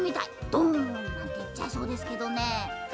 ドンなんていっちゃいそうですけどね。